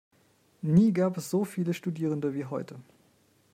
Nie gab es so viele Studierende wie heute.